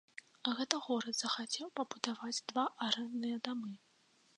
Гэта горад захацеў пабудаваць два арэндныя дамы.